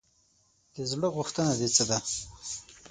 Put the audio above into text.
د زړه غوښتنه دې څه ده ؟